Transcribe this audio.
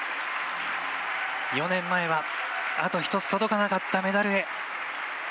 ４年前はあと１つ届かなかったメダルへ。